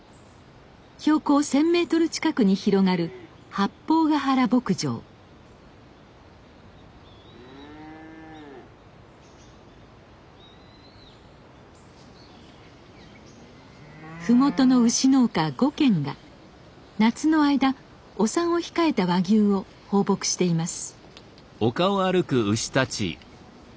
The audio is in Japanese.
標高１，０００メートル近くに広がる麓の牛農家５軒が夏の間お産を控えた和牛を放牧しています。